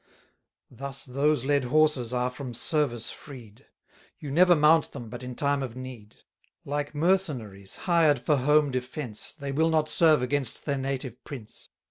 Thus those led horses are from service freed; You never mount them but in time of need. Like mercenaries, hired for home defence, 290 They will not serve against their native prince.